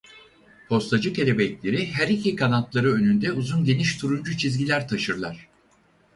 Postacı kelebekleri her iki kanatları önünde uzun geniş turuncu çizgiler taşırlar.